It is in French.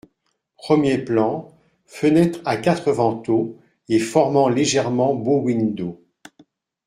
Premier plan, fenêtre à quatre vantaux et formant légèrement bow-window.